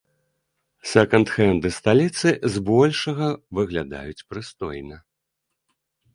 Сэканд-хэнды сталіцы з большага выглядаюць прыстойна.